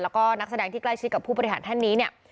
แล้วก็นักแสดงที่ใกล้ชิดกับผู้บริหารท่านนี้เนี่ย